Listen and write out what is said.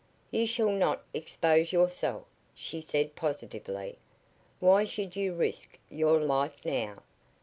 "You shall not expose yourself," she said, positively. "Why should you risk your life now?